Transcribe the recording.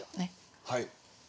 はい。